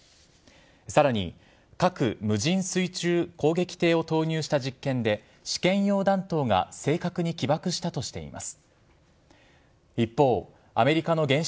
さらに、核無人水中攻撃艇を投入した実験で、試験用弾頭が正確に起爆したとしています。